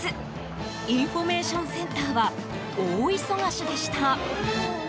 インフォメーションセンターは大忙しでした。